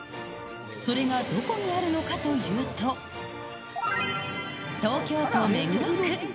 それがどこにあるのかというと、東京都目黒区。